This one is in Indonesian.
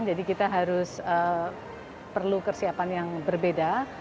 jadi kita harus perlu kesiapan yang berbeda